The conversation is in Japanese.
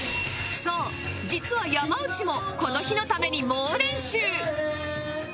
そう実は山内もこの日のために猛練習